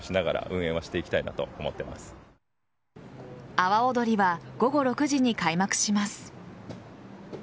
阿波おどりは午後６時に開幕します。